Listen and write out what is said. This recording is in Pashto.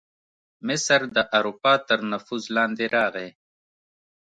مصر د اروپا تر نفوذ لاندې راغی.